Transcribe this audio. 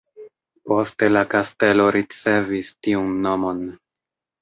Poste la kastelo ricevis tiun nomon.